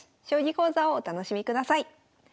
将棋講座をお楽しみください。